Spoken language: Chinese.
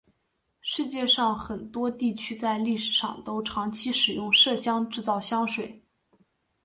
世界上很多地区在历史上都长期使用麝香制造香水。